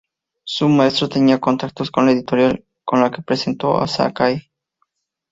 Su maestro tenía contactos con la editorial con lo que presentó a Sakae.